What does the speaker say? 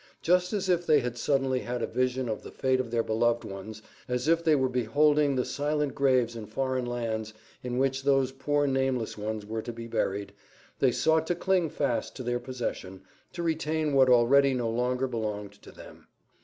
Just as if they had suddenly had a vision of the fate of their beloved ones, as if they were beholding the silent graves in foreign lands in which those poor nameless ones were to be buried, they sought to cling fast to their possession, to retain what already no longer belonged to them.